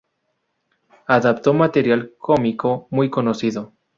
Adaptó material cómico muy conocido.